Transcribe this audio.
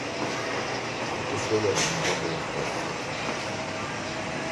Anche solo aggiungendo del testo.